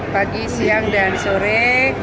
pagi siang dan sore